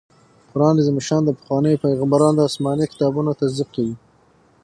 قرآن عظيم الشان د پخوانيو پيغمبرانو د اسماني کتابونو تصديق کوي